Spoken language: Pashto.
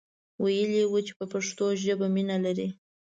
ویلی وو چې په پښتو ژبه مینه لري.